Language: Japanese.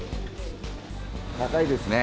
高いですね。